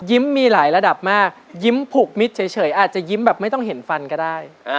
มีหลายระดับมากยิ้มผูกมิดเฉยอาจจะยิ้มแบบไม่ต้องเห็นฟันก็ได้